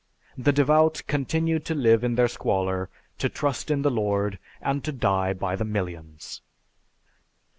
The devout continued to live in their squalor, to trust in the Lord, and to die by the millions.